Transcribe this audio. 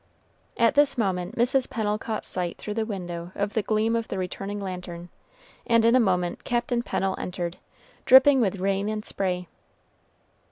At this moment Mrs. Pennel caught sight through the window of the gleam of the returning lantern, and in a moment Captain Pennel entered, dripping with rain and spray.